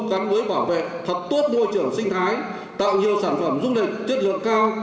gắn với bảo vệ thật tốt môi trường sinh thái tạo nhiều sản phẩm du lịch chất lượng cao